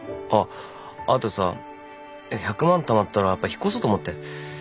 あっあとさ１００万たまったらやっぱ引っ越そうと思って。